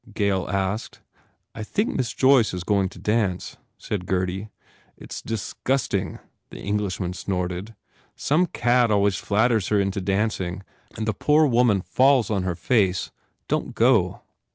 Gail asked. "I think Miss Joyce is going to dance," said Gurdy. "It s disgusting," the Englishman snorted, "Some cad always flatters her into dancing and the poor woman falls on her face. Don t go."